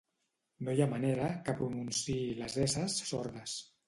No hi ha manera que pronunciï les esses sordes.